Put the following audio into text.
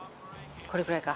これくらいか。